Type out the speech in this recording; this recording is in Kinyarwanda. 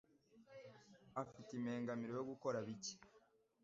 afite impengamiro yo gukora bike.